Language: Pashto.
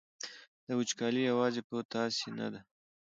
دا وچکالي یوازې په تاسې نه ده.